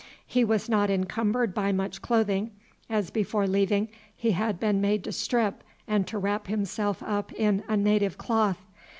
He was not encumbered by much clothing, as before leaving he had been made to strip and to wrap himself up in a native cloth.